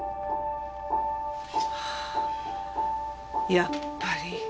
やっぱり。